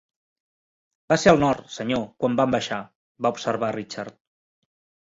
"Va ser al nord, senyor, quan vam baixar", va observar Richard.